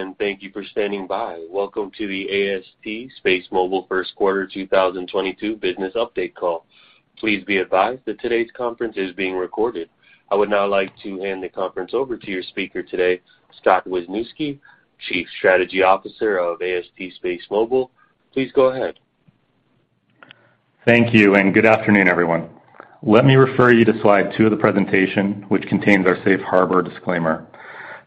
Good day, thank you for standing by. Welcome to the AST SpaceMobile First Quarter 2022 business update call. Please be advised that today's conference is being recorded. I would now like to hand the conference over to your speaker today, Scott Wisniewski, Chief Strategy Officer of AST SpaceMobile. Please go ahead. Thank you, and good afternoon, everyone. Let me refer you to slide two of the presentation, which contains our safe harbor disclaimer.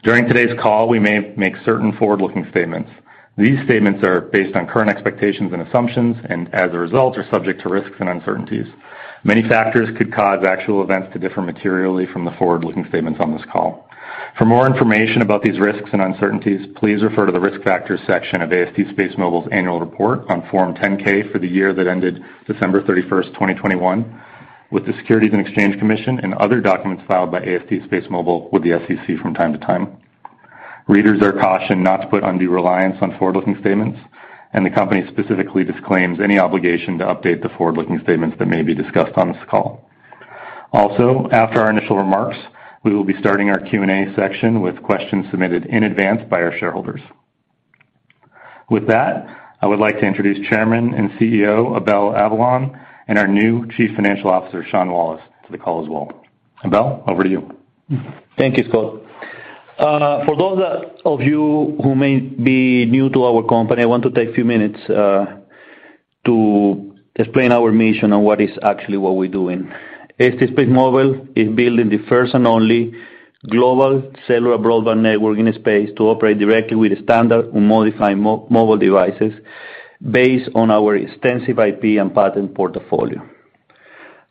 During today's call, we may make certain forward-looking statements. These statements are based on current expectations and assumptions, and as a result, are subject to risks and uncertainties. Many factors could cause actual events to differ materially from the forward-looking statements on this call. For more information about these risks and uncertainties, please refer to the Risk Factors section of AST SpaceMobile's annual report on Form 10-K for the year that ended December 31, 2021 with the Securities and Exchange Commission and other documents filed by AST SpaceMobile with the SEC from time to time. Readers are cautioned not to put undue reliance on forward-looking statements, and the company specifically disclaims any obligation to update the forward-looking statements that may be discussed on this call. Also, after our initial remarks, we will be starting our Q&A section with questions submitted in advance by our shareholders. With that, I would like to introduce Chairman and CEO, Abel Avellan, and our new Chief Financial Officer, Sean Wallace, to the call as well. Abel, over to you. Thank you, Scott. For those of you who may be new to our company, I want to take a few minutes to explain our mission and what we're doing. AST SpaceMobile is building the first and only global cellular broadband network in space to operate directly with standard unmodified mobile devices based on our extensive IP and patent portfolio.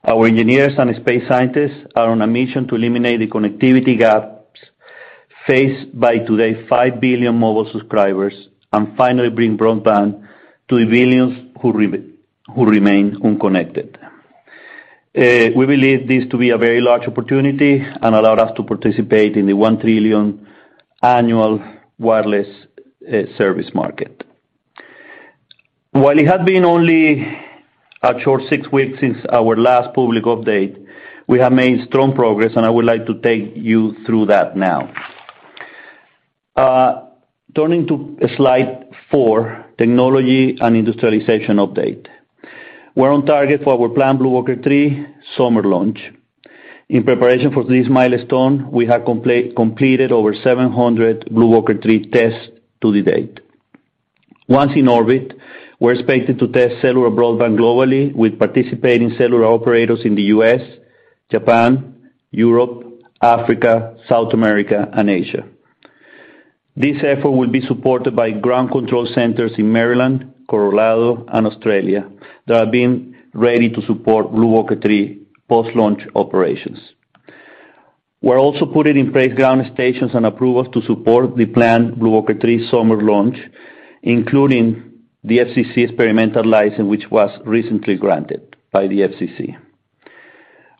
Our engineers and space scientists are on a mission to eliminate the connectivity gaps faced by today's five billion mobile subscribers and finally bring broadband to the billions who remain unconnected. We believe this to be a very large opportunity and allow us to participate in the $1 trillion annual wireless service market. While it has been only a short six weeks since our last public update, we have made strong progress, and I would like to take you through that now. Turning to slide four, technology and industrialization update. We're on target for our planned BlueWalker 3 summer launch. In preparation for this milestone, we have completed over 700 BlueWalker 3 tests to date. Once in orbit, we're expected to test cellular broadband globally with participating cellular operators in the U.S., Japan, Europe, Africa, South America, and Asia. This effort will be supported by ground control centers in Maryland, Colorado, and Australia that are being readied to support BlueWalker 3 post-launch operations. We're also putting in place ground stations and approvals to support the planned BlueWalker 3 summer launch, including the FCC experimental license, which was recently granted by the FCC.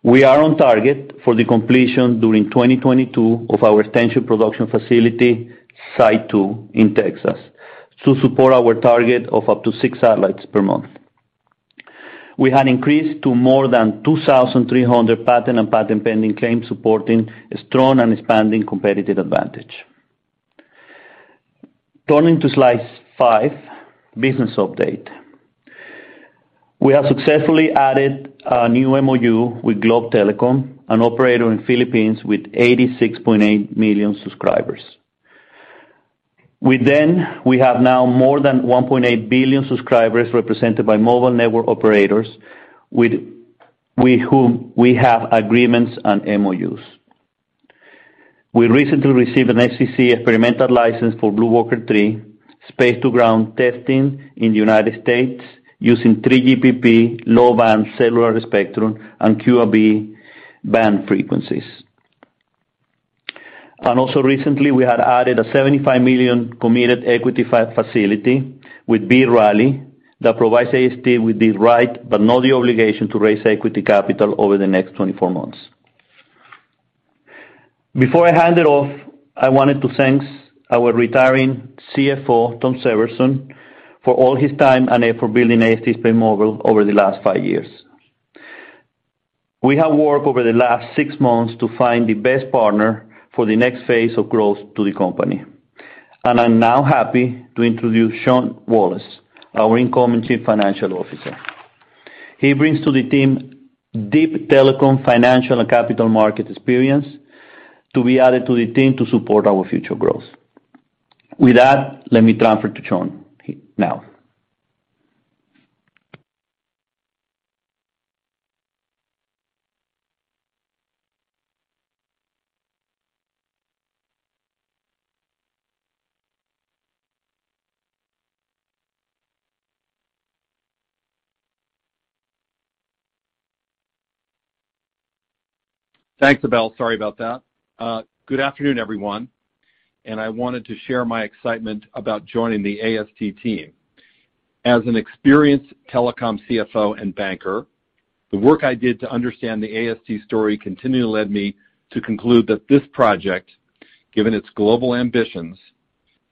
We are on target for the completion during 2022 of our expansion production facility site two in Texas to support our target of up to six satellites per month. We had increased to more than 2,300 patent and patent pending claims supporting a strong and expanding competitive advantage. Turning to slide five, business update. We have successfully added a new MOU with Globe Telecom, an operator in Philippines with 86.8 million subscribers. With them, we have now more than 1.8 billion subscribers represented by mobile network operators with whom we have agreements and MOUs. We recently received an FCC experimental license for BlueWalker 3 space to ground testing in the United States using 3GPP low-band cellular spectrum and Q/V-band frequencies. Also recently, we had added a $75 million committed equity facility with B. Riley that provides AST with the right but not the obligation to raise equity capital over the next 24 months. Before I hand it off, I wanted to thank our retiring CFO, Tom Severson, for all his time and effort building AST SpaceMobile over the last five years. We have worked over the last six months to find the best partner for the next phase of growth to the company. I'm now happy to introduce Sean Wallace, our incoming Chief Financial Officer. He brings to the team deep telecom, financial, and capital market experience to be added to the team to support our future growth. With that, let me transfer to Sean now. Thanks, Abel. Sorry about that. Good afternoon, everyone. I wanted to share my excitement about joining the AST team. As an experienced telecom CFO and banker, the work I did to understand the AST story continually led me to conclude that this project, given its global ambitions,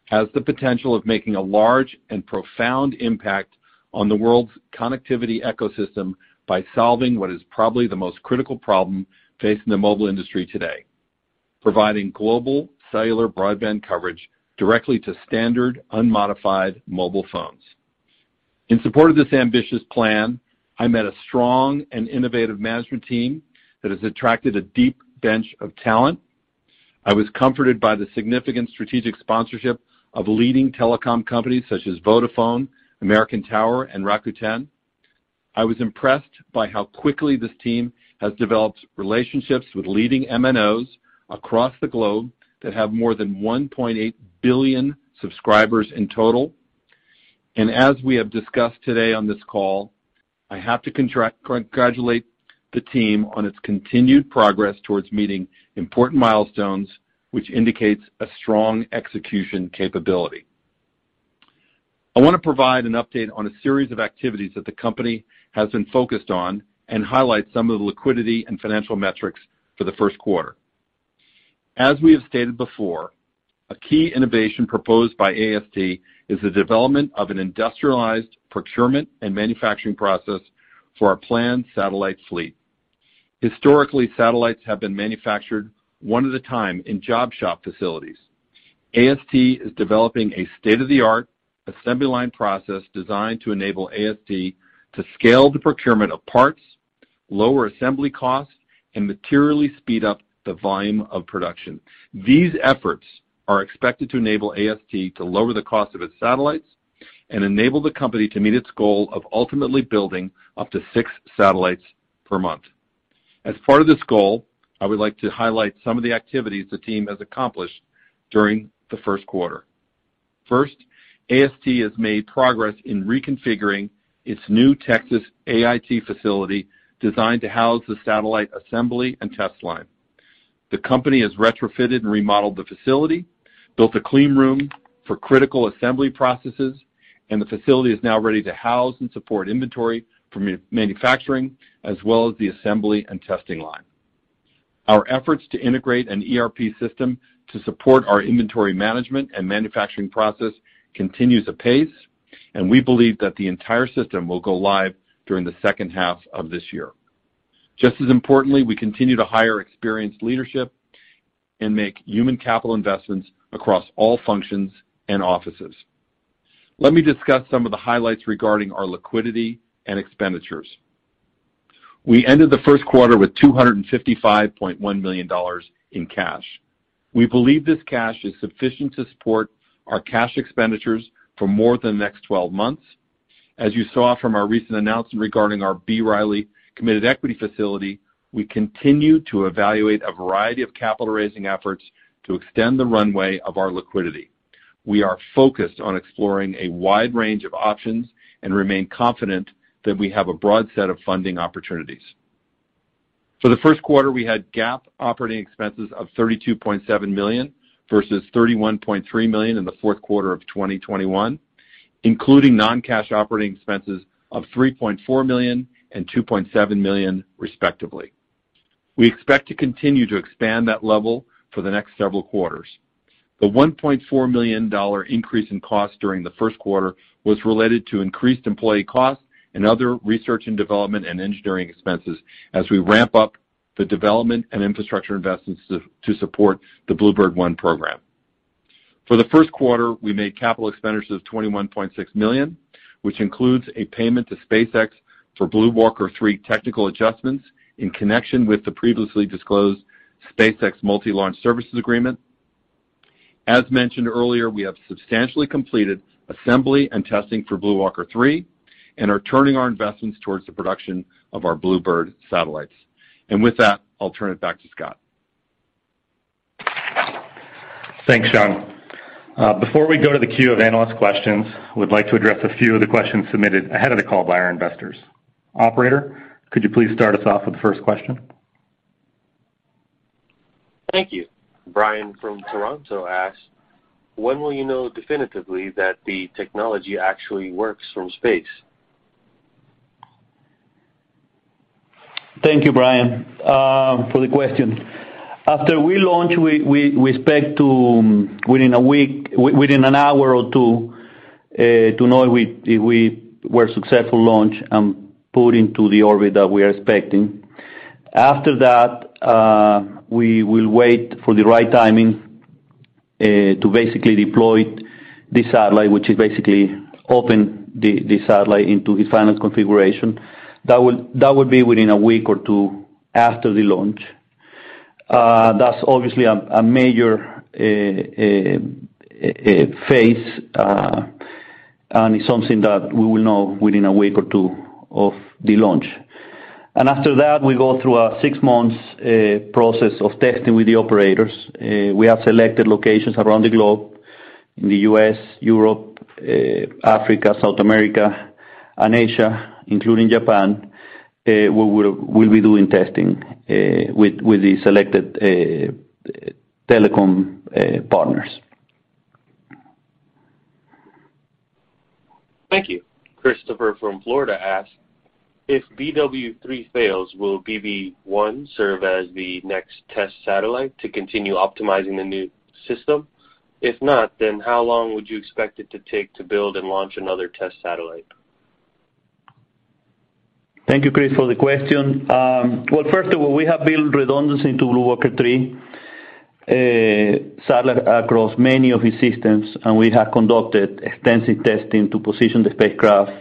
has the potential of making a large and profound impact on the world's connectivity ecosystem by solving what is probably the most critical problem facing the mobile industry today, providing global cellular broadband coverage directly to standard unmodified mobile phones. In support of this ambitious plan, I met a strong and innovative management team that has attracted a deep bench of talent. I was comforted by the significant strategic sponsorship of leading telecom companies such as Vodafone, American Tower, and Rakuten. I was impressed by how quickly this team has developed relationships with leading MNOs across the globe that have more than 1.8 billion subscribers in total. As we have discussed today on this call, I have to congratulate the team on its continued progress towards meeting important milestones, which indicates a strong execution capability. I want to provide an update on a series of activities that the company has been focused on and highlight some of the liquidity and financial metrics for the first quarter. As we have stated before, a key innovation proposed by AST is the development of an industrialized procurement and manufacturing process for our planned satellite fleet. Historically, satellites have been manufactured one at a time in job shop facilities. AST is developing a state-of-the-art assembly line process designed to enable AST to scale the procurement of parts, lower assembly costs, and materially speed up the volume of production. These efforts are expected to enable AST to lower the cost of its satellites and enable the company to meet its goal of ultimately building up to 6 satellites per month. As part of this goal, I would like to highlight some of the activities the team has accomplished during the first quarter. First, AST has made progress in reconfiguring its new Texas AIT facility designed to house the satellite assembly and test line. The company has retrofitted and remodeled the facility, built a clean room for critical assembly processes, and the facility is now ready to house and support inventory for manufacturing as well as the assembly and testing line. Our efforts to integrate an ERP system to support our inventory management and manufacturing process continues apace, and we believe that the entire system will go live during the second half of this year. Just as importantly, we continue to hire experienced leadership and make human capital investments across all functions and offices. Let me discuss some of the highlights regarding our liquidity and expenditures. We ended the first quarter with $255.1 million in cash. We believe this cash is sufficient to support our cash expenditures for more than the next 12 months. As you saw from our recent announcement regarding our B. Riley committed equity facility, we continue to evaluate a variety of capital-raising efforts to extend the runway of our liquidity. We are focused on exploring a wide range of options and remain confident that we have a broad set of funding opportunities. For the first quarter, we had GAAP operating expenses of $32.7 million versus $31.3 million in the fourth quarter of 2021, including non-cash operating expenses of $3.4 million and $2.7 million, respectively. We expect to continue to expand that level for the next several quarters. The $1.4 million increase in cost during the first quarter was related to increased employee costs and other research and development and engineering expenses as we ramp up the development and infrastructure investments to support the BlueBird-1 program. For the first quarter, we made capital expenditures of $21.6 million, which includes a payment to SpaceX for BlueWalker 3 technical adjustments in connection with the previously disclosed SpaceX multi-launch services agreement. As mentioned earlier, we have substantially completed assembly and testing for BlueWalker 3 and are turning our investments towards the production of our BlueBird satellites. With that, I'll turn it back to Scott. Thanks, Sean. Before we go to the queue of analyst questions, we'd like to address a few of the questions submitted ahead of the call by our investors. Operator, could you please start us off with the first question? Thank you. Brian from Toronto asks, "When will you know definitively that the technology actually works from space? Thank you, Bryan, for the question. After we launch, we expect within an hour or two to know if we were successful launch and put into the orbit that we are expecting. After that, we will wait for the right timing to basically deploy the satellite, which is basically open the satellite into its final configuration. That would be within a week or two after the launch. That's obviously a major phase, and it's something that we will know within a week or two of the launch. After that, we go through a six-month process of testing with the operators. We have selected locations around the globe in the U.S., Europe, Africa, South America, and Asia, including Japan. We'll be doing testing with the selected telecom partners. Thank you. Christopher from Florida asks, "If BW 3 fails, will BB 1 serve as the next test satellite to continue optimizing the new system? If not, then how long would you expect it to take to build and launch another test satellite? Thank you, Chris, for the question. Well, first of all, we have built redundancy into BlueWalker 3 satellite across many of its systems, and we have conducted extensive testing to position the spacecraft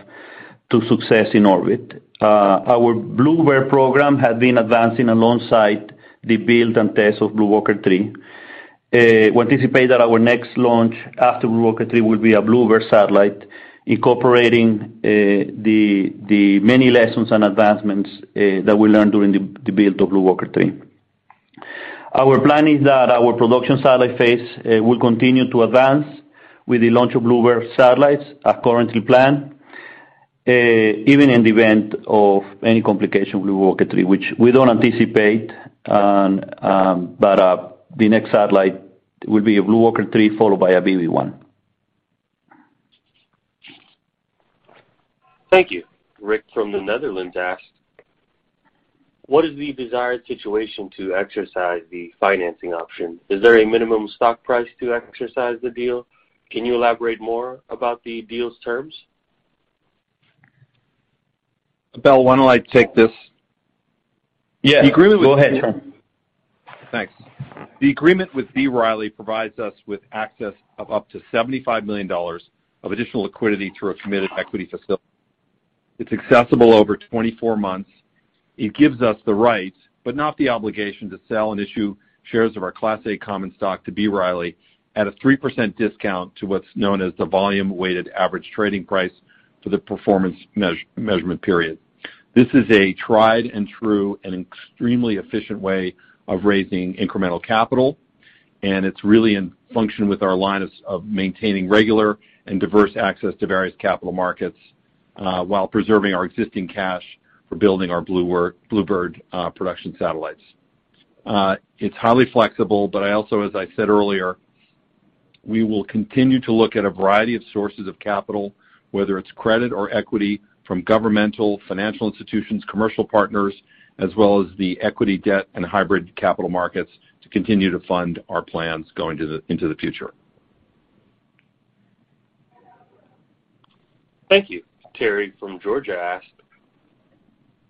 to success in orbit. Our BlueBird program has been advancing alongside the build and test of BlueWalker 3. We anticipate that our next launch after BlueWalker 3 will be a BlueBird satellite incorporating the many lessons and advancements that we learned during the build of BlueWalker 3. Our plan is that our production satellite phase will continue to advance with the launch of BlueBird satellites as currently planned, even in the event of any complication with BlueWalker 3, which we don't anticipate. The next satellite will be a BlueWalker 3, followed by a BB1. Thank you. Rick from the Netherlands asks, "What is the desired situation to exercise the financing option? Is there a minimum stock price to exercise the deal? Can you elaborate more about the deal's terms? Abel Avellan, why don't I take this? Yeah. The agreement. Go ahead, Tom. Thanks. The agreement with B. Riley provides us with access of up to $75 million of additional liquidity through a committed equity facility. It's accessible over 24 months. It gives us the right, but not the obligation, to sell and issue shares of our Class A common stock to B. Riley at a 3% discount to what's known as the volume-weighted average trading price for the performance measurement period. This is a tried and true and extremely efficient way of raising incremental capital, and it's really in line with our strategy of maintaining regular and diverse access to various capital markets, while preserving our existing cash for building our BlueBird production satellites. It's highly flexible, but I also, as I said earlier, we will continue to look at a variety of sources of capital, whether it's credit or equity from governmental financial institutions, commercial partners, as well as the equity debt and hybrid capital markets to continue to fund our plans going into the future. Thank you. Terry from Georgia asks,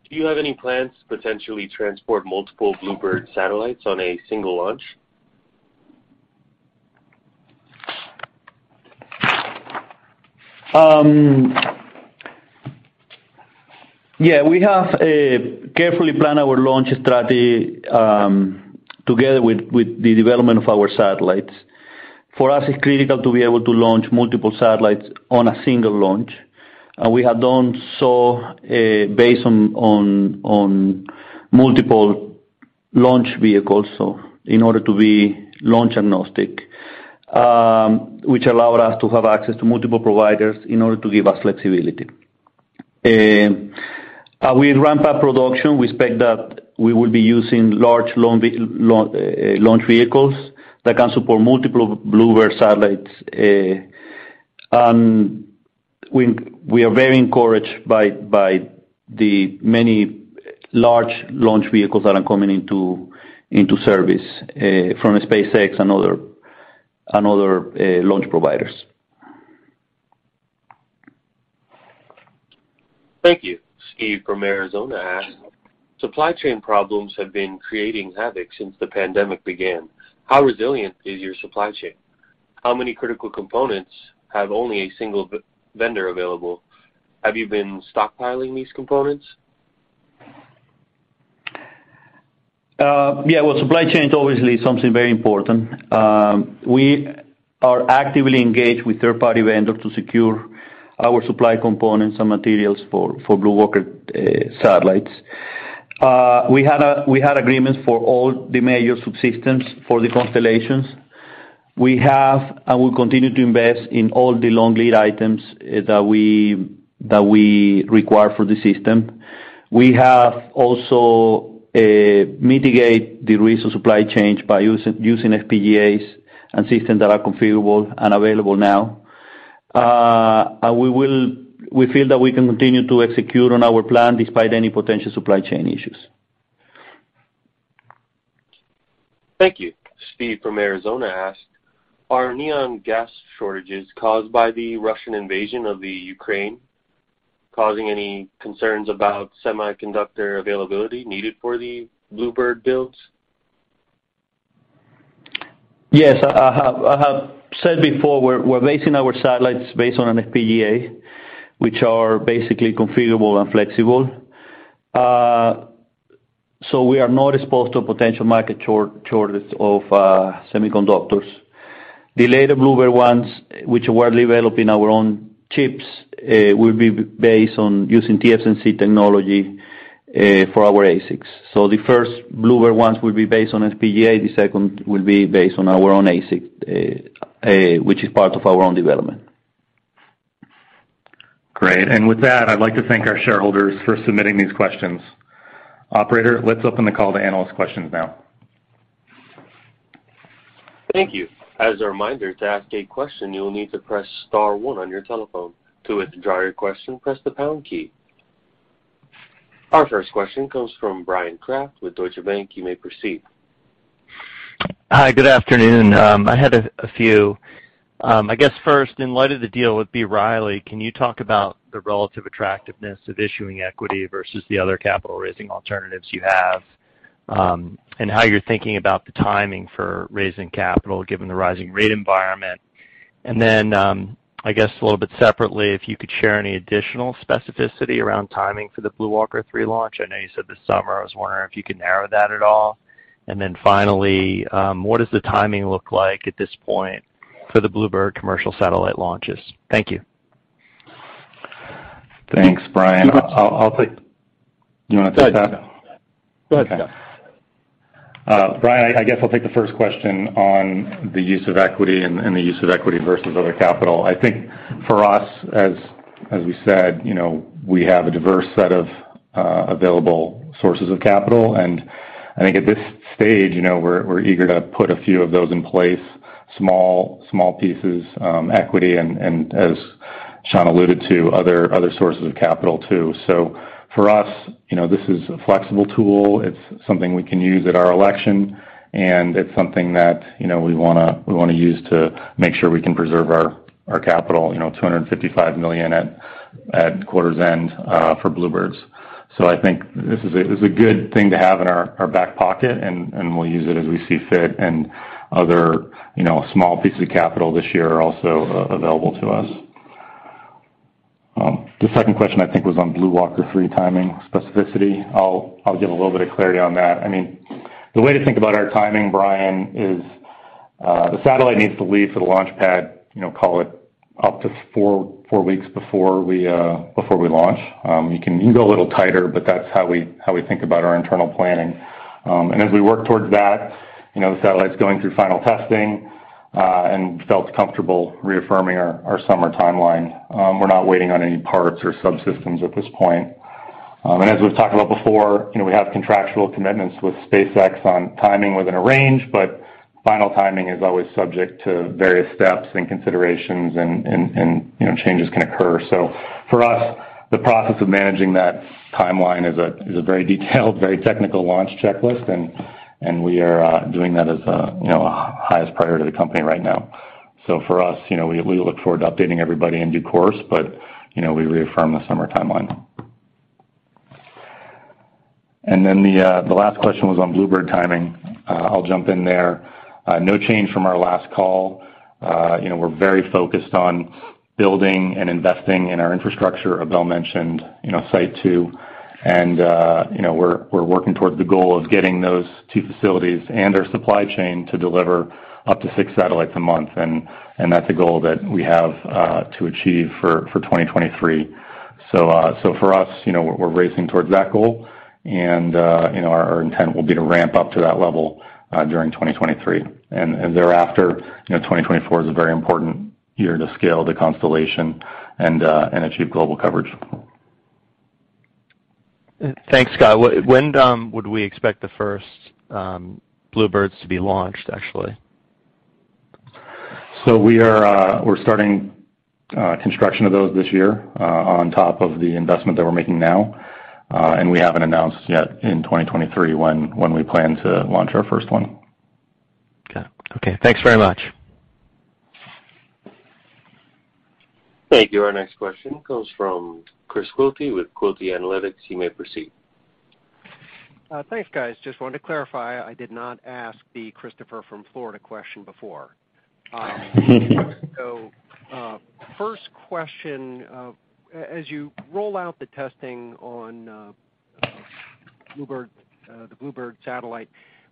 "Do you have any plans to potentially transport multiple BlueBird satellites on a single launch? Yeah, we have carefully planned our launch strategy together with the development of our satellites. For us, it's critical to be able to launch multiple satellites on a single launch. We have done so based on multiple launch vehicles, so in order to be launch agnostic, which allowed us to have access to multiple providers in order to give us flexibility. We ramp up production, we expect that we will be using large launch vehicles that can support multiple BlueBird satellites. We are very encouraged by the many large launch vehicles that are coming into service from SpaceX and other launch providers. Thank you. Steve from Arizona asks, "Supply chain problems have been creating havoc since the pandemic began. How resilient is your supply chain? How many critical components have only a single vendor available? Have you been stockpiling these components? Yeah. Well, supply chain is obviously something very important. We are actively engaged with third-party vendors to secure our supply components and materials for BlueWalker satellites. We had agreements for all the major subsystems for the constellations. We have, and we'll continue to invest in all the long lead items that we require for the system. We have also mitigate the risk of supply chains by using FPGAs and systems that are configurable and available now. We feel that we can continue to execute on our plan despite any potential supply chain issues. Thank you. Steve from Arizona asks, "Are neon gas shortages caused by the Russian invasion of the Ukraine causing any concerns about semiconductor availability needed for the BlueBird builds? Yes. I have said before we're basing our satellites based on an FPGA, which are basically configurable and flexible. We are not exposed to potential market shortage of semiconductors. The later BlueBird ones, which we're developing our own chips, will be based on using TSMC technology for our ASICs. The first BlueBird ones will be based on FPGA, the second will be based on our own ASIC, which is part of our own development. Great. With that, I'd like to thank our shareholders for submitting these questions. Operator, let's open the call to analyst questions now. Thank you. As a reminder, to ask a question, you will need to press star one on your telephone. To withdraw your question, press the pound key. Our first question comes from Bryan Kraft with Deutsche Bank. You may proceed. Hi, good afternoon. I had a few. I guess first, in light of the deal with B. Riley, can you talk about the relative attractiveness of issuing equity versus the other capital-raising alternatives you have, and how you're thinking about the timing for raising capital given the rising rate environment? I guess a little bit separately, if you could share any additional specificity around timing for the BlueWalker 3 launch. I know you said this summer. I was wondering if you could narrow that at all. Finally, what does the timing look like at this point for the BlueBird commercial satellite launches? Thank you. Thanks, Brian. I'll take. You wanna take that? Go ahead, Scott. Brian, I guess I'll take the first question on the use of equity and the use of equity versus other capital. I think for us, as we said, you know, we have a diverse set of available sources of capital. I think at this stage, you know, we're eager to put a few of those in place, small pieces, equity and as Sean alluded to, other sources of capital too. For us, you know, this is a flexible tool. It's something we can use at our election, and it's something that, you know, we wanna use to make sure we can preserve our capital, you know, $255 million at quarter's end for BlueBirds. I think this is a good thing to have in our back pocket, and we'll use it as we see fit, and other, you know, small pieces of capital this year are also available to us. The second question, I think, was on BlueWalker 3 timing specificity. I'll give a little bit of clarity on that. I mean, the way to think about our timing, Brian, is the satellite needs to leave for the launch pad, you know, call it up to four weeks before we launch. You can go a little tighter, but that's how we think about our internal planning. As we work towards that, you know, the satellite's going through final testing, and we felt comfortable reaffirming our summer timeline. We're not waiting on any parts or subsystems at this point. As we've talked about before, you know, we have contractual commitments with SpaceX on timing within a range, but final timing is always subject to various steps and considerations and, you know, changes can occur. For us, the process of managing that timeline is a very detailed, very technical launch checklist, and we are doing that as, you know, highest priority to the company right now. For us, you know, we look forward to updating everybody in due course, but, you know, we reaffirm the summer timeline. The last question was on BlueBird timing. I'll jump in there. No change from our last call. You know, we're very focused on building and investing in our infrastructure. Abel mentioned, you know, Site Two. You know, we're working towards the goal of getting those two facilities and their supply chain to deliver up to six satellites a month, and that's a goal that we have to achieve for 2023. For us, you know, we're racing towards that goal, and you know, our intent will be to ramp up to that level during 2023. Thereafter, you know, 2024 is a very important year to scale the constellation and achieve global coverage. Thanks, Scott. When would we expect the first BlueBirds to be launched, actually? We're starting construction of those this year, on top of the investment that we're making now, and we haven't announced yet in 2023 when we plan to launch our first one. Okay. Okay, thanks very much. Thank you. Our next question comes from Chris Quilty with Quilty Analytics. You may proceed. Thanks, guys. Just wanted to clarify, I did not ask the Christopher from Florida question before. First question, as you roll out the testing on BlueBird, the BlueBird satellite,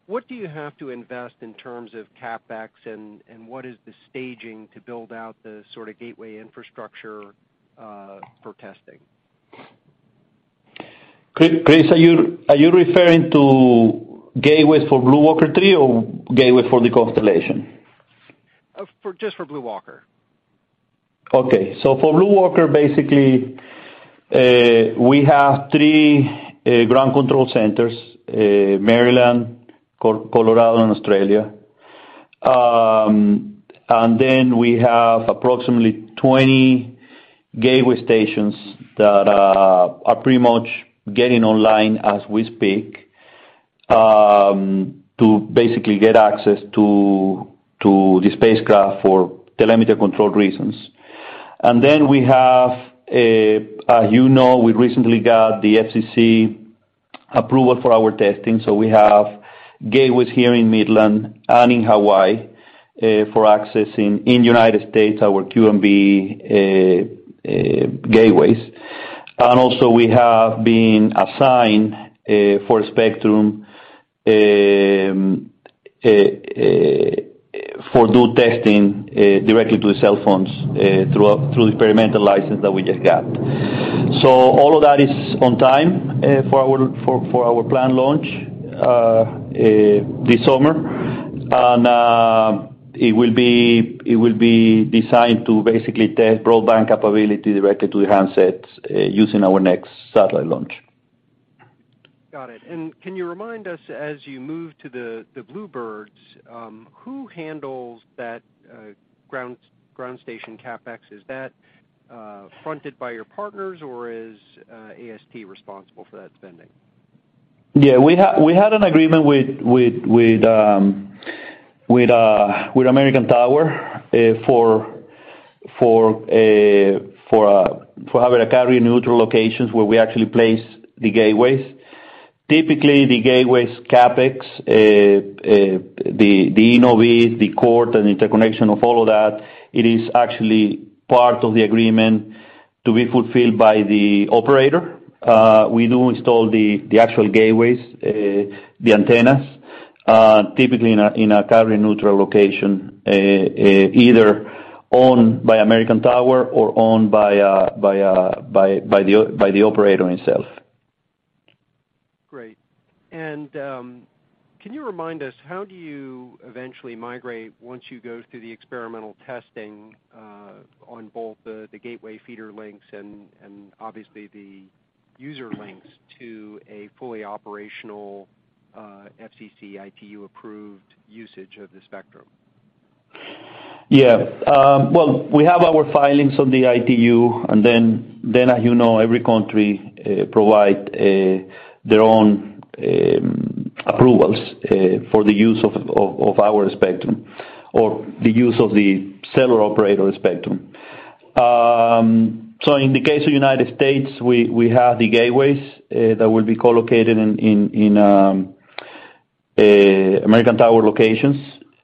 what do you have to invest in terms of CapEx, and what is the staging to build out the sort of gateway infrastructure for testing? Chris, are you referring to gateways for BlueWalker 3 or gateway for the constellation? Just for BlueWalker. Okay. For BlueWalker, basically, we have three ground control centers, Maryland, Colorado, and Australia. Then we have approximately 20 gateway stations that are pretty much getting online as we speak, to basically get access to the spacecraft for telemetry control reasons. Then, as you know, we recently got the FCC approval for our testing, so we have gateways here in Midland and in Hawaii, for accessing in United States our Q/V-band gateways. Also, we have been assigned for spectrum for our testing directly to the cell phones through the experimental license that we just got. All of that is on time for our planned launch this summer. It will be designed to basically test broadband capability directly to the handsets, using our next satellite launch. Got it. Can you remind us as you move to the BlueBirds, who handles that ground station CapEx? Is that fronted by your partners, or is AST responsible for that spending? Yeah, we had an agreement with American Tower for having carrier-neutral locations where we actually place the gateways. Typically, the gateways CapEx, the innovation, the core and interconnection of all of that, it is actually part of the agreement to be fulfilled by the operator. We do install the actual gateways, the antennas, typically in a carrier-neutral location, either owned by American Tower or owned by the operator itself. Great. Can you remind us, how do you eventually migrate once you go through the experimental testing on both the gateway feeder links and obviously the user links to a fully operational FCC ITU-approved usage of the spectrum? Yeah. Well, we have our filings on the ITU, and then as you know, every country provide their own approvals for the use of our spectrum or the use of the cellular operator spectrum. In the case of United States, we have the gateways that will be co-located in American Tower locations.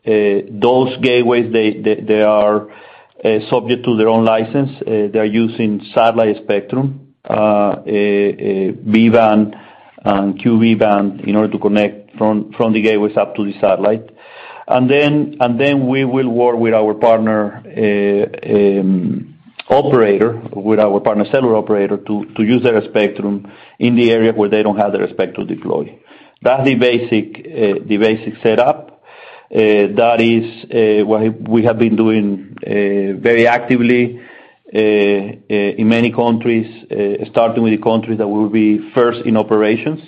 Those gateways, they are subject to their own license. They're using satellite spectrum, V-band and Q/V-band in order to connect from the gateways up to the satellite. We will work with our partner operator, with our partner cellular operator to use their spectrum in the area where they don't have their spectrum deployed. That's the basic setup. That is what we have been doing very actively in many countries, starting with the country that will be first in operations.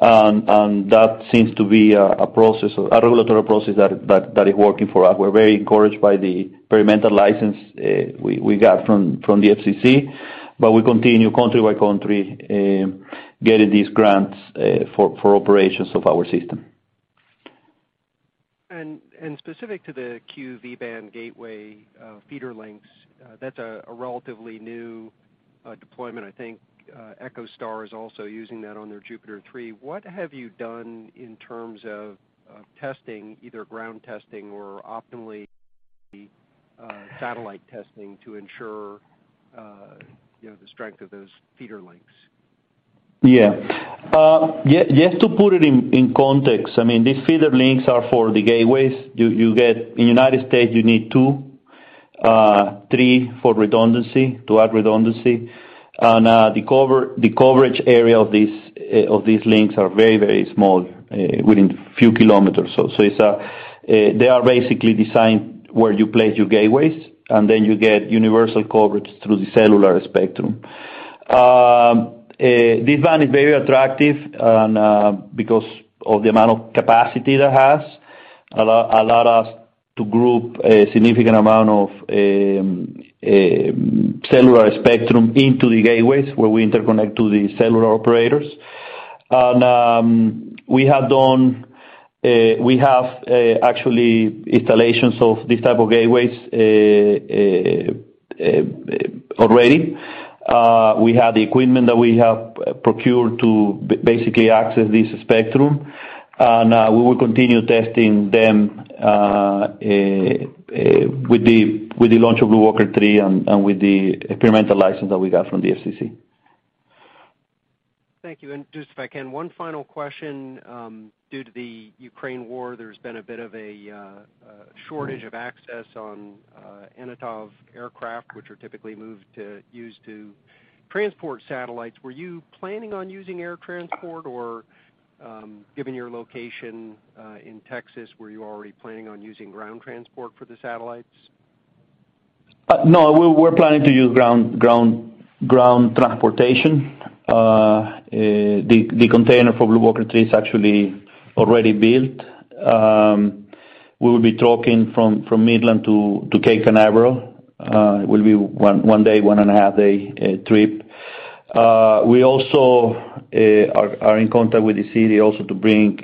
That seems to be a regulatory process that is working for us. We're very encouraged by the experimental license we got from the FCC, but we continue country by country, getting these grants for operations of our system. Specific to the Q/V-band gateway feeder links, that's a relatively new deployment. I think EchoStar is also using that on their Jupiter 3. What have you done in terms of testing, either ground testing or on-orbit satellite testing to ensure you know the strength of those feeder links? Yeah. Just to put it in context, I mean, these feeder links are for the gateways. In the United States, you need two, three for redundancy, to add redundancy. The coverage area of these links are very, very small, within a few kilometers or so. They are basically designed where you place your gateways, and then you get universal coverage through the cellular spectrum. This band is very attractive and because of the amount of capacity that it has. It allows us to group a significant amount of cellular spectrum into the gateways where we interconnect to the cellular operators. We have actual installations of these type of gateways already. We have the equipment that we have procured to basically access this spectrum, and we will continue testing them with the launch of BlueWalker 3 and with the experimental license that we got from the FCC. Thank you. Just if I can, one final question. Due to the Ukraine war, there's been a bit of a shortage of access to Antonov aircraft, which are typically used to transport satellites. Were you planning on using air transport or, given your location in Texas, were you already planning on using ground transport for the satellites? No. We're planning to use ground transportation. The container for BlueWalker 3 is actually already built. We will be taking from Midland to Cape Canaveral. It will be one and a half day trip. We are also in contact with the city to bring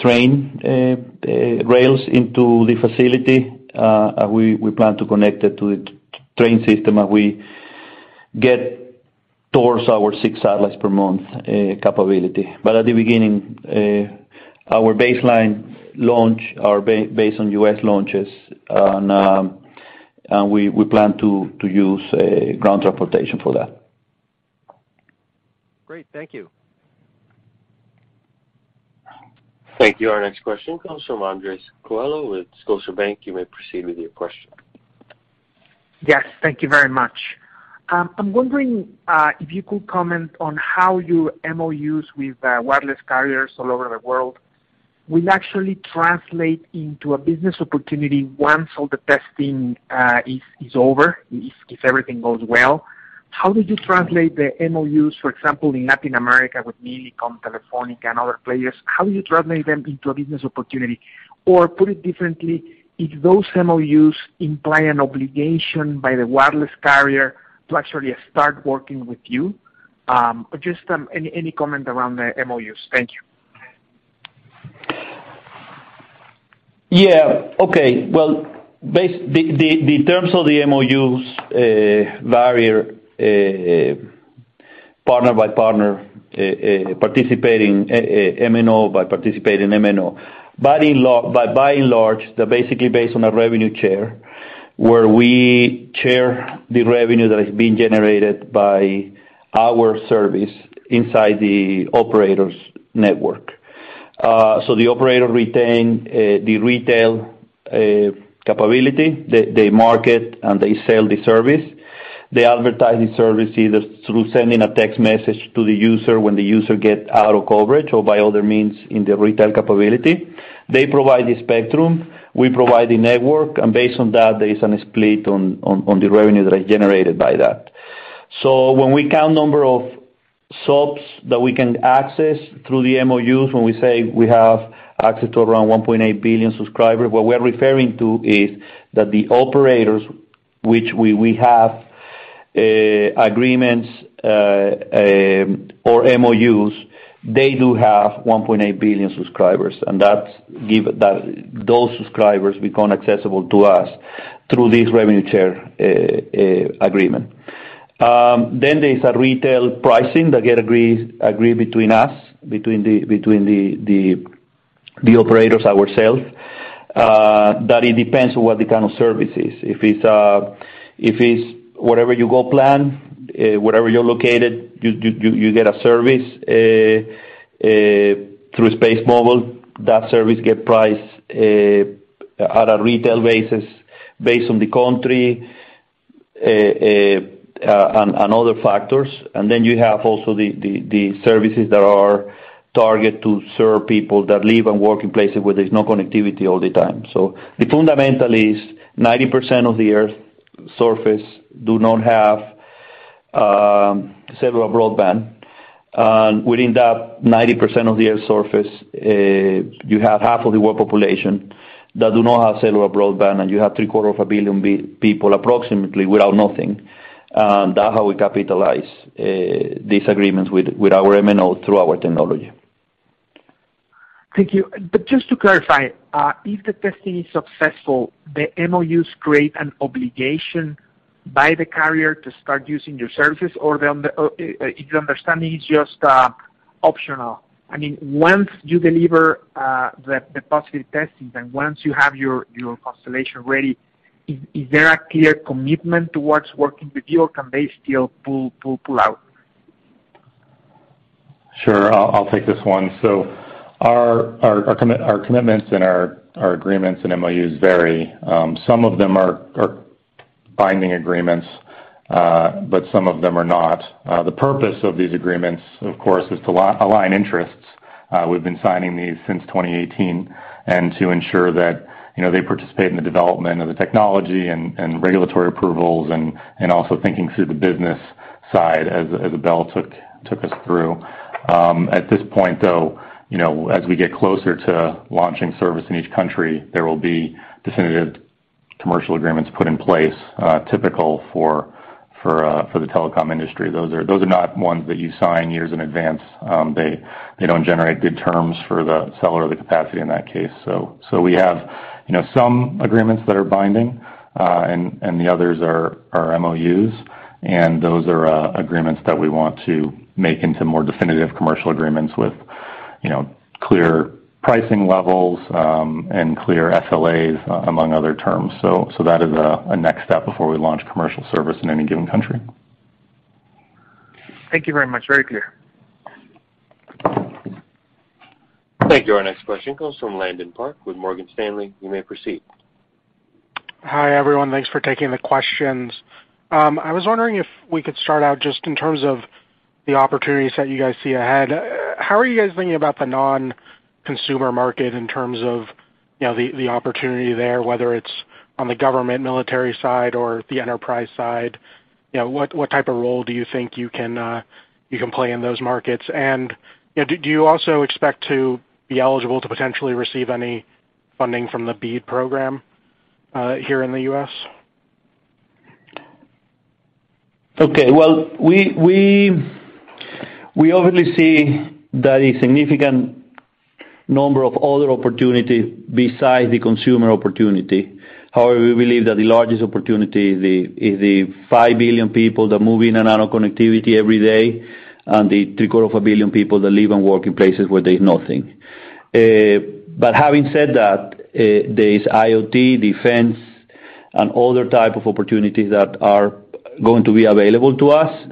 train rails into the facility. We plan to connect it to the train system as we get towards our six satellites per month capability. At the beginning, our baseline launch are based on U.S. launches and we plan to use ground transportation for that. Great. Thank you. Thank you. Our next question comes from Andres Coello with Scotiabank. You may proceed with your question. Yes. Thank you very much. I'm wondering if you could comment on how your MOUs with wireless carriers all over the world will actually translate into a business opportunity once all the testing is over, if everything goes well. How did you translate the MOUs, for example, in Latin America with Millicom, Telefónica and other players? How do you translate them into a business opportunity? Or put it differently, if those MOUs imply an obligation by the wireless carrier to actually start working with you, just any comment around the MOUs? Thank you. Yeah. Okay. Well, the terms of the MOUs vary partner by partner, participating MNO by participating MNO. By and large, they're basically based on a revenue share, where we share the revenue that is being generated by our service inside the operator's network. The operator retain the retail capability. They market, and they sell the service. They advertise the service either through sending a text message to the user when the user get out of coverage or by other means in the retail capability. They provide the spectrum, we provide the network, and based on that, there is a split on the revenue that is generated by that. When we count number of subs that we can access through the MOUs, when we say we have access to around 1.8 billion subscribers, what we're referring to is that the operators which we have agreements or MOUs, they do have 1.8 billion subscribers, and that's given that those subscribers become accessible to us through this revenue share agreement. Then there's a retail pricing that gets agreed between us between the operators ourselves. That it depends on what the kind of service is. If it's wherever you go plan, wherever you're located, you get a service through SpaceMobile, that service gets priced at a retail basis based on the country and other factors. You have also the services that are targeted to serve people that live and work in places where there's no connectivity all the time. The fundamental is 90% of the earth surface do not have cellular broadband. Within that 90% of the earth surface, you have half of the world population that do not have cellular broadband, and you have three-quarters of a billion people approximately without nothing. That's how we capitalize these agreements with our MNO through our technology. Thank you. Just to clarify, if the testing is successful, the MOUs create an obligation by the carrier to start using your services or is the understanding it's just optional? I mean, once you deliver the positive testing, then once you have your constellation ready, is there a clear commitment towards working with you, or can they still pull out? Sure. I'll take this one. Our commitments and our agreements and MOUs vary. Some of them are binding agreements, but some of them are not. The purpose of these agreements, of course, is to align interests. We've been signing these since 2018, and to ensure that, you know, they participate in the development of the technology and regulatory approvals and also thinking through the business side as Abel took us through. At this point, though, you know, as we get closer to launching service in each country, there will be definitive commercial agreements put in place, typical for the telecom industry. Those are not ones that you sign years in advance. They don't generate good terms for the seller of the capacity in that case. We have, you know, some agreements that are binding, and the others are MOUs. Those are agreements that we want to make into more definitive commercial agreements with, you know, clear pricing levels, and clear SLAs, among other terms. That is a next step before we launch commercial service in any given country. Thank you very much. Very clear. Thank you. Our next question comes from Landon Park with Morgan Stanley. You may proceed. Hi, everyone. Thanks for taking the questions. I was wondering if we could start out just in terms of the opportunities that you guys see ahead. How are you guys thinking about the non-consumer market in terms of, you know, the opportunity there, whether it's on the government military side or the enterprise side? You know, what type of role do you think you can play in those markets? You know, do you also expect to be eligible to potentially receive any funding from the BEAD program here in the U.S.? Okay. Well, we obviously see that a significant number of other opportunities besides the consumer opportunity. However, we believe that the largest opportunity is the 5 billion people that move in and out of connectivity every day and the three-quarter of a billion people that live and work in places where there's nothing. Having said that, there is IoT, defense, and other type of opportunities that are going to be available to us.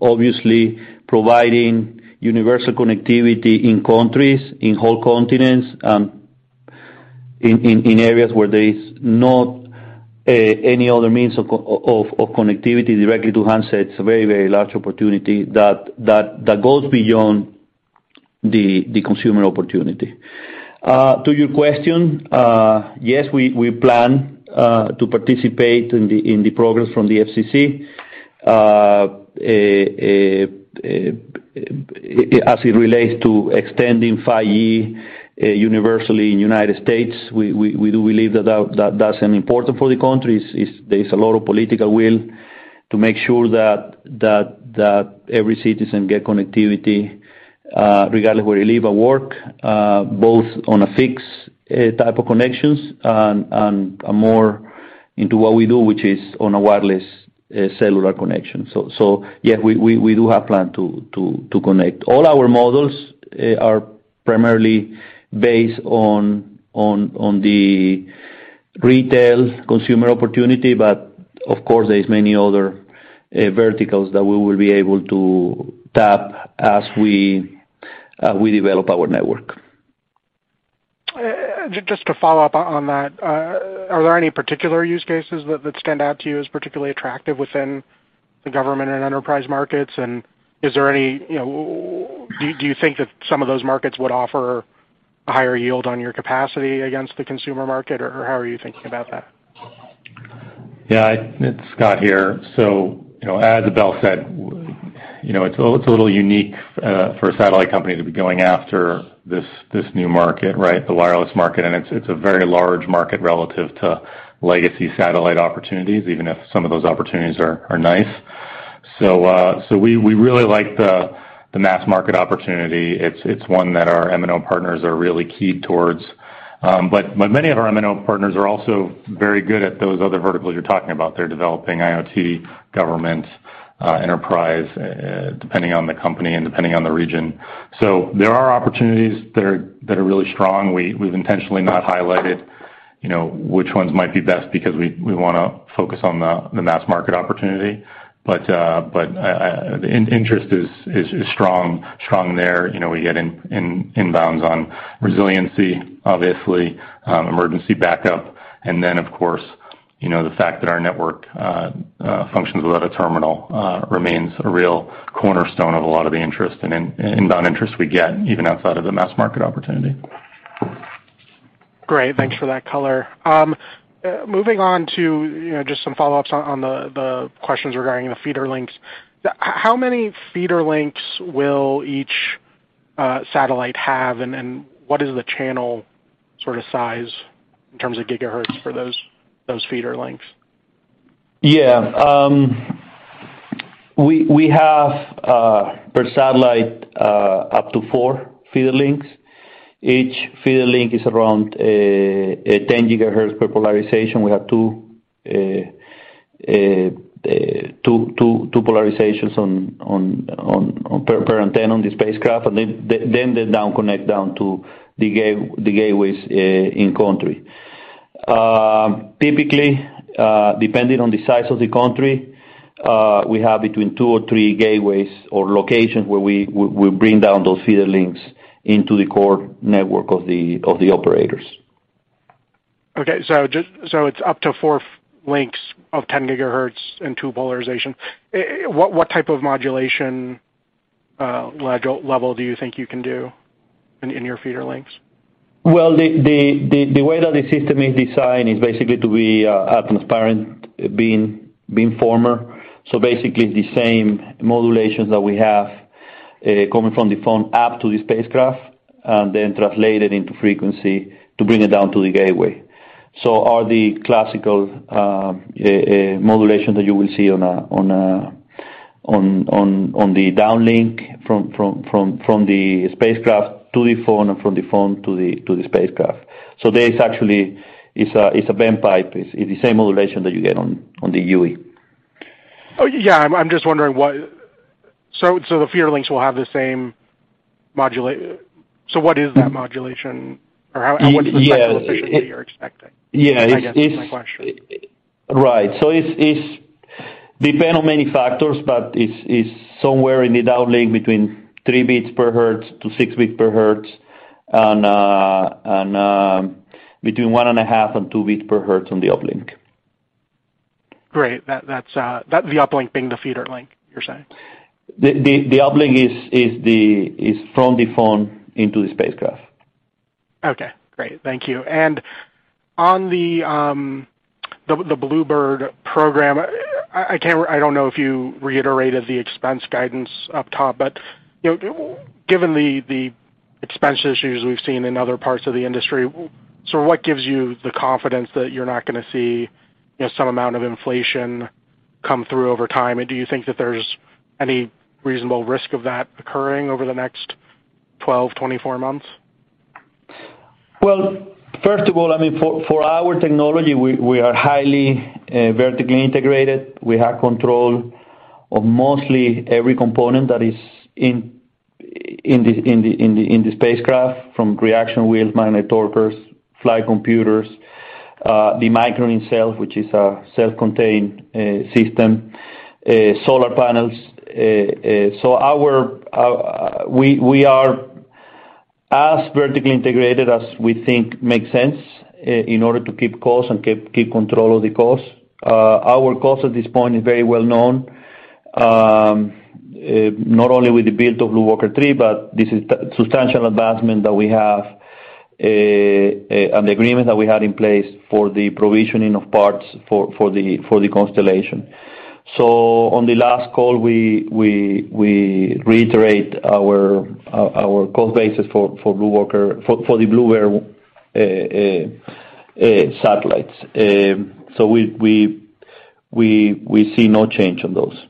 Obviously providing universal connectivity in countries, in whole continents, in areas where there is not any other means of connectivity directly to handsets, a very large opportunity that goes beyond the consumer opportunity. To your question, yes, we plan to participate in the process from the FCC. As it relates to extending 5G universally in the United States, we do believe that that's an important for the country. There is a lot of political will to make sure that every citizen get connectivity, regardless where they live or work, both on a fixed type of connections and more into what we do, which is on a wireless cellular connection. Yeah, we do have plan to connect. All our models are primarily based on the retail consumer opportunity. But of course, there is many other verticals that we will be able to tap as we develop our network. Just to follow up on that. Are there any particular use cases that stand out to you as particularly attractive within the government and enterprise markets? Is there any, you know, do you think that some of those markets would offer a higher yield on your capacity against the consumer market, or how are you thinking about that? Yeah. It's Scott here. You know, as Abel said, you know, it's a little unique for a satellite company to be going after this new market, right? The wireless market. It's a very large market relative to legacy satellite opportunities, even if some of those opportunities are nice. We really like the mass market opportunity. It's one that our MNO partners are really keyed towards. Many of our MNO partners are also very good at those other verticals you're talking about. They're developing IoT, government, enterprise, depending on the company and depending on the region. There are opportunities that are really strong. We've intentionally not highlighted, you know, which ones might be best because we wanna focus on the mass market opportunity. Interest is strong there. You know, we get inbounds on resiliency, obviously, emergency backup. Of course, you know, the fact that our network functions without a terminal remains a real cornerstone of a lot of the interest and inbound interest we get even outside of the mass market opportunity. Great. Thanks for that color. Moving on to, you know, just some follow-ups on the questions regarding the feeder links. How many feeder links will each satellite have, and what is the channel sort of size in terms of gigahertz for those feeder links? Yeah. We have per satellite up to four feeder links. Each feeder link is around 10 gigahertz per polarization. We have two polarizations per antenna on the spacecraft, and then they connect down to the gateways in country. Typically, depending on the size of the country, we have between two or three gateways or locations where we bring down those feeder links into the core network of the operators. It's up to four links of 10 gigahertz and two polarization. What type of modulation, link-level do you think you can do in your feeder links? Well, the way that the system is designed is basically to be a transparent beamformer. So basically the same modulations that we have coming from the phone up to the spacecraft, and then translated into frequency to bring it down to the gateway. So all the classical modulation that you will see on the downlink from the spacecraft to the phone and from the phone to the spacecraft. So there is actually it's a bent pipe. It's the same modulation that you get on the UE. Oh, yeah. I'm just wondering what. So what is that modulation or how, what is the spectral efficiency you're expecting? Yeah. I guess is my question. Right. It's depends on many factors, but it's somewhere in the downlink between 3-6 bits per hertz and between 1.5-2 bits per hertz on the uplink. Great. That's the uplink being the feeder link, you're saying? The uplink is from the phone into the spacecraft. Okay, great. Thank you. On the BlueBird program, I don't know if you reiterated the expense guidance up top. You know, given the expense issues we've seen in other parts of the industry, what gives you the confidence that you're not gonna see, you know, some amount of inflation come through over time? Do you think that there's any reasonable risk of that occurring over the next 12-24 months? Well, first of all, I mean, for our technology, we are highly vertically integrated. We have control of almost every component that is in the spacecraft, from reaction wheels, magnetorquers, flight computers, the micro itself, which is a self-contained system, solar panels. We are as vertically integrated as we think makes sense in order to keep costs and control of the cost. Our cost at this point is very well known, not only with the build of BlueWalker 3, but this is substantial advancement that we have, and the agreement that we had in place for the provisioning of parts for the constellation. On the last call, we reiterate our cost basis for the BlueWalker satellites. We see no change on those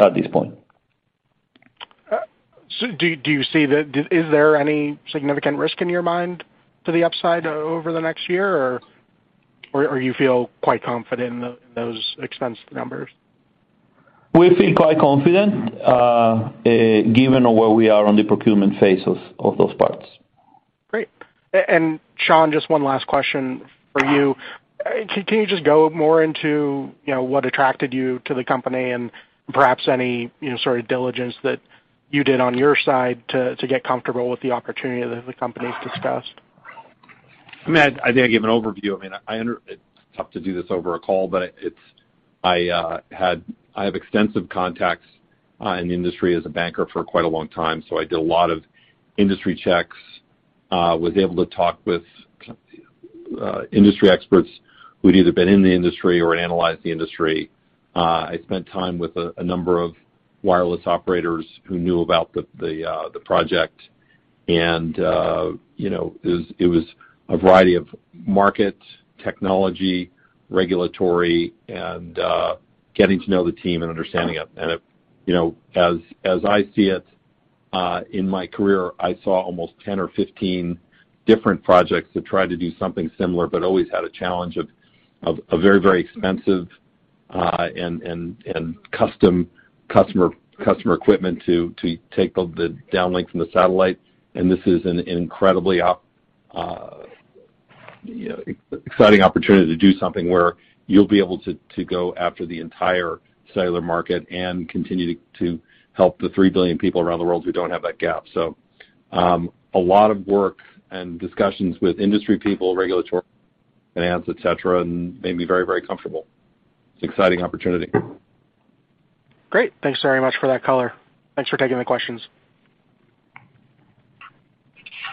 at this point. Is there any significant risk in your mind to the upside over the next year or you feel quite confident in those expense numbers? We feel quite confident, given where we are on the procurement phase of those parts. Great. Sean, just one last question for you. Can you just go more into, you know, what attracted you to the company and perhaps any, you know, sort of diligence that you did on your side to get comfortable with the opportunity that the company's discussed? I mean, I think I gave an overview. I mean, it's tough to do this over a call, but I have extensive contacts in the industry as a banker for quite a long time, so I did a lot of industry checks, was able to talk with industry experts who'd either been in the industry or analyzed the industry. I spent time with a number of wireless operators who knew about the project and, you know, it was a variety of market, technology, regulatory, and getting to know the team and understanding it. You know, as I see it, in my career, I saw almost 10 or 15 different projects that tried to do something similar, but always had a challenge of a very expensive and custom customer equipment to take the downlink from the satellite. This is an incredibly exciting opportunity to do something where you'll be able to go after the entire cellular market and continue to help the three billion people around the world who don't have that gap. A lot of work and discussions with industry people, regulatory et cetera, made me very comfortable. It's an exciting opportunity. Great. Thanks very much for that color. Thanks for taking the questions.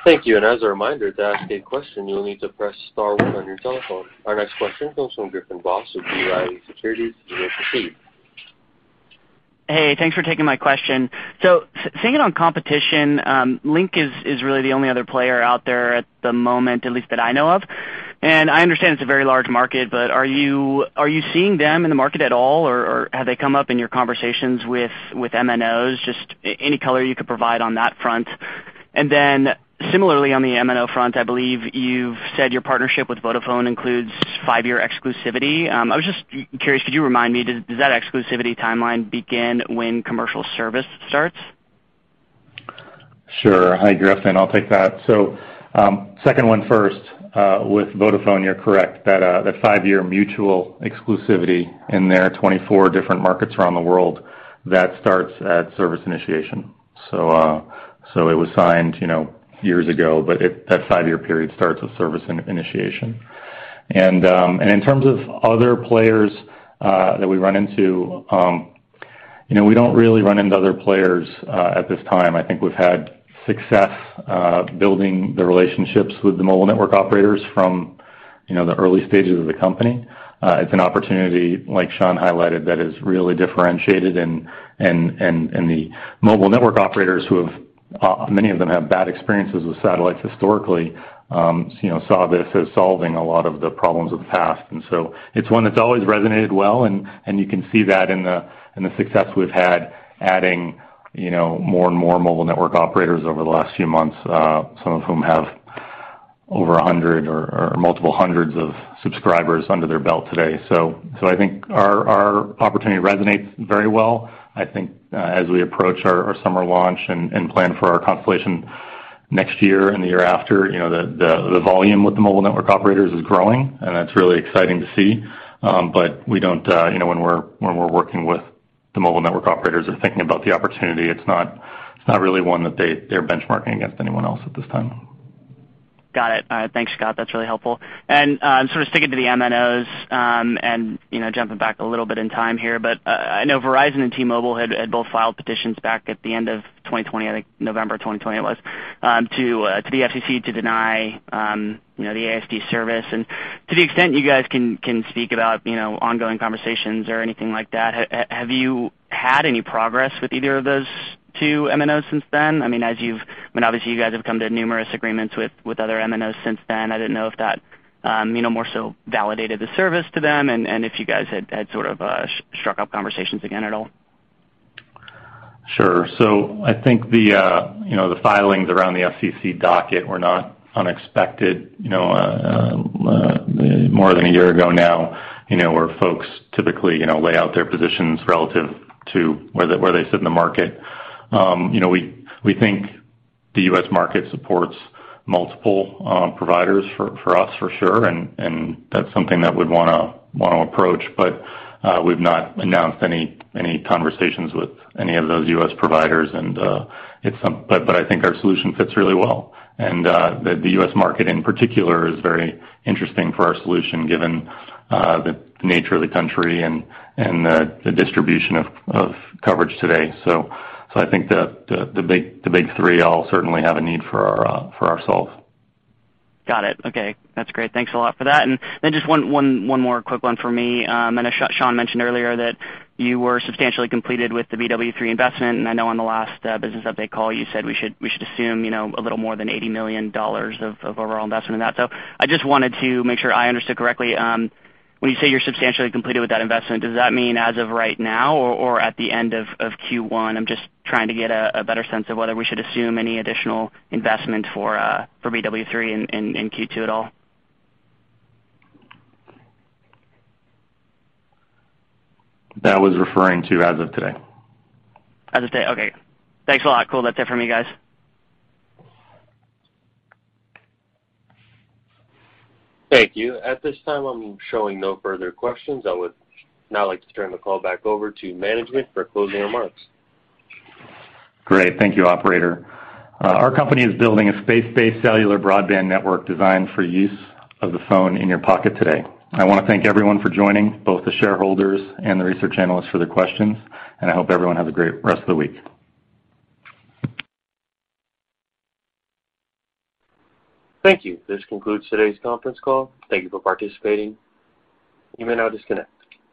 Thank you. As a reminder, to ask a question, you will need to press star one on your telephone. Our next question comes from Griffin Boss with B. Riley Securities. You may proceed. Hey, thanks for taking my question. You get on competition. Lynk is really the only other player out there at the moment, at least that I know of. I understand it's a very large market, but are you seeing them in the market at all, or have they come up in your conversations with MNOs? Just any color you could provide on that front. Then similarly, on the MNO front, I believe you've said your partnership with Vodafone includes five-year exclusivity. I was just curious, could you remind me, does that exclusivity timeline begin when commercial service starts? Sure. Hi, Griffin, I'll take that. Second one first, with Vodafone, you're correct that the five-year mutual exclusivity in their 24 different markets around the world, that starts at service initiation. It was signed, you know, years ago, but it, that five-year period starts with service initiation. In terms of other players that we run into, you know, we don't really run into other players at this time. I think we've had success building the relationships with the mobile network operators from, you know, the early stages of the company. It's an opportunity, like Sean highlighted, that is really differentiated. The mobile network operators who have many of them have bad experiences with satellites historically, you know, saw this as solving a lot of the problems of the past. It's one that's always resonated well, and you can see that in the success we've had adding, you know, more and more mobile network operators over the last few months, some of whom have over 100 or multiple hundreds of subscribers under their belt today. I think our opportunity resonates very well. I think, as we approach our summer launch and plan for our constellation next year and the year after, you know, the volume with the mobile network operators is growing, and that's really exciting to see. We don't, you know, when we're working with the mobile network operators or thinking about the opportunity, it's not really one that they're benchmarking against anyone else at this time. Got it. All right. Thanks, Scott. That's really helpful. Sort of sticking to the MNOs, and, you know, jumping back a little bit in time here, I know Verizon and T-Mobile had both filed petitions back at the end of 2020, I think November of 2020 it was, to the FCC to deny, you know, the AST service. To the extent you guys can speak about, you know, ongoing conversations or anything like that, have you had any progress with either of those two MNOs since then? I mean, obviously, you guys have come to numerous agreements with other MNOs since then. I didn't know if that, you know, more so validated the service to them, and if you guys had sort of struck up conversations again at all. Sure. I think, you know, the filings around the FCC docket were not unexpected, you know, more than a year ago now, you know, where folks typically, you know, lay out their positions relative to where they sit in the market. You know, we think the U.S. market supports multiple providers for us, for sure. That's something that we'd wanna approach. We've not announced any conversations with any of those U.S. providers. I think our solution fits really well. The U.S. market in particular is very interesting for our solution given the nature of the country and the distribution of coverage today. I think the big three all certainly have a need for our solve. Got it. Okay. That's great. Thanks a lot for that. Then just one more quick one for me. I know Sean mentioned earlier that you were substantially completed with the BW3 investment. I know on the last business update call, you said we should assume, you know, a little more than $80 million of overall investment in that. I just wanted to make sure I understood correctly. When you say you're substantially completed with that investment, does that mean as of right now or at the end of Q1? I'm just trying to get a better sense of whether we should assume any additional investment for BW3 in Q2 at all. That was referring to as of today. As of today. Okay. Thanks a lot. Cool. That's it for me, guys. Thank you. At this time, I'm showing no further questions. I would now like to turn the call back over to management for closing remarks. Great. Thank you, operator. Our company is building a space-based cellular broadband network designed for use of the phone in your pocket today. I wanna thank everyone for joining, both the shareholders and the research analysts for their questions, and I hope everyone has a great rest of the week. Thank you. This concludes today's conference call. Thank you for participating. You may now disconnect.